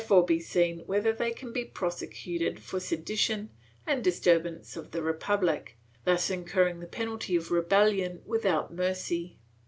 Ill] ALARM OF CHARLES V 435 be seen whether they can be prosecuted for sedition and disturb ance of the republic, thus incurring the penalty of rebeUion without mercy."